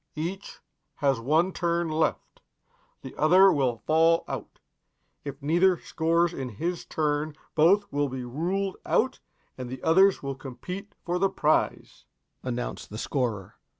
Each has one turn left. The others will fall out. If neither scores in his turn, both will be ruled out and the others will compete for the prize," announced the scorer.